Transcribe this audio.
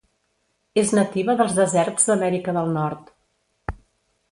És nativa dels deserts d'Amèrica del Nord.